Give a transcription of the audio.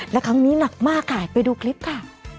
และครั้งนี้หนักมากค่ะไปดูคลิปค่ะ